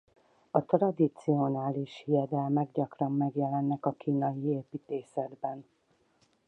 A tradicionális hiedelmek gyakran megjelennek a kínai építészetben.